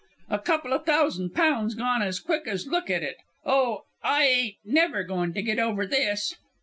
A couple o' thousand pounds gone as quick as look at it. Oh, I eyn't never goin' to git over this."